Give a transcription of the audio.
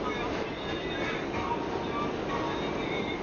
注定无法跳脱